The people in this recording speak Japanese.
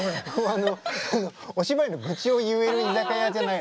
あのお芝居の愚痴を言う居酒屋じゃない。